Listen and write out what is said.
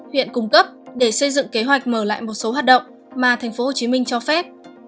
huyện cung cấp để xây dựng kế hoạch mở lại một số hoạt động mà tp hcm cho phép